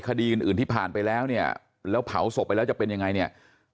คดีอื่นอื่นที่ผ่านไปแล้วเนี่ยแล้วเผาศพไปแล้วจะเป็นยังไงเนี่ย